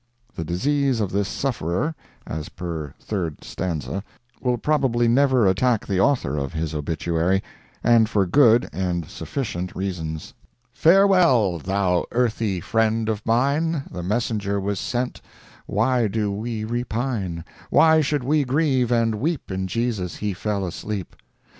'" The disease of this sufferer (as per third stanza) will probably never attack the author of his obituary—and for good and sufficient reasons: Farewell, thou earthy friend of mine, The messenger was sent, why do we repine, Why should we grieve and weep In Jesus he fell asleep.